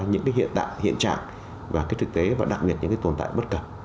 những cái hiện tại hiện trạng và cái thực tế và đặc biệt những cái tồn tại bất cập